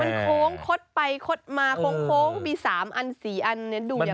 มันโค้งคดไปคดมาโค้งมี๓อัน๔อันนี้ดูอย่าง